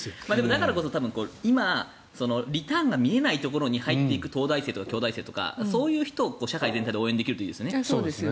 だからこそ、今リターンが見えないところに入っていく東大生、京大生をそういう人を社会全体で応援できるといいですよね。